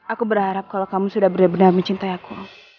aku berharap kalau kamu sudah benar benar mencintai aku